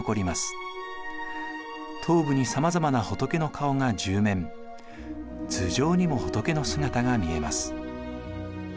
頭部にさまざまな仏の顔が１０面頭上にも仏の姿が見えます。